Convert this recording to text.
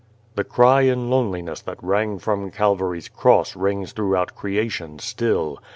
"The cry in loneliness that rang from Cal vary's Cross rings throughout creation still.